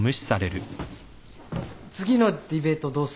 次のディベートどうする？